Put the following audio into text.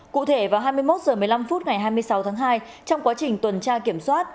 cụ thể vào hai mươi một h một mươi năm phút ngày hai mươi sáu tháng hai trong quá trình tuần tra kiểm soát